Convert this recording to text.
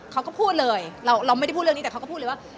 เขาก็พูดเลยเราไม่ได้พูดเรื่องนี้แต่เขาก็พูดเลยว่า